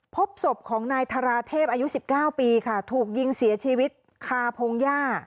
พบศพของนายธาราเทพอายุ๑๙ปีค่ะถูกยิงเสียชีวิตคาพงหญ้า